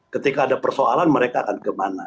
ketika ada persoalan mereka akan kemana